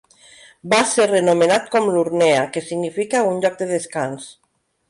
Va ser renomenat com Lurnea que significa "un lloc de descans".